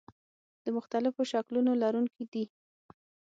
د مختلفو شکلونو لرونکي دي.